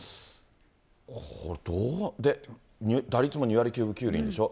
これどう、で、打率も２割９分９厘でしょ。